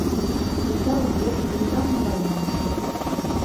Пісаў вершы, іграў на баяне.